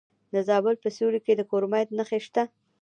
د زابل په سیوري کې د کرومایټ نښې شته.